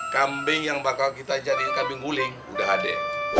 kambing yang bakal kita jadikan kambing uling udah ada